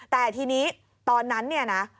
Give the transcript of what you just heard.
แต่ทีนี้ตอนนั้นเนี่ยนะ